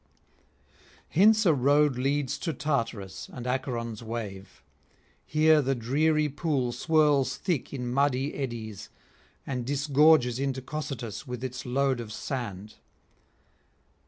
Hence a road leads to Tartarus and Acheron's wave. Here the dreary pool swirls thick in muddy eddies and disgorges into Cocytus with its load of sand.